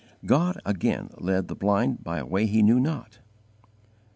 God again led the blind by a way he knew not.